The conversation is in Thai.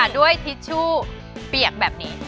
ทิชชู่เปียกแบบนี้